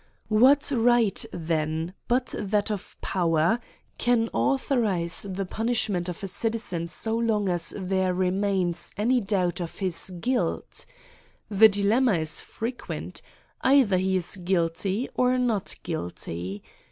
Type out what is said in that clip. What right, then, but that of power, can authorise the punishment of a citizen so long as there remains any doubt of his guilt ? This di^' lemma is frequent. Either he is guilty, or not guilty.